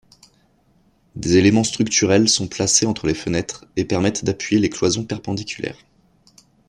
Des éléments structurels sont placés entre les fenêtres et permettent d’appuyer les cloisons perpendiculaires.